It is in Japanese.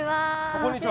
こんにちは。